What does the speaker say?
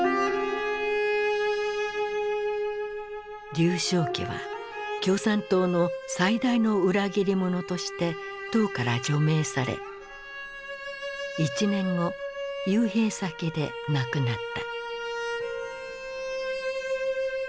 劉少奇は共産党の最大の裏切り者として党から除名され１年後幽閉先で亡くなった。